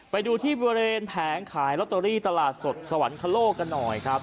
ไปดูที่บริเวณแผงขายลอตเตอรี่ตลาดสดสวรรคโลกกันหน่อยครับ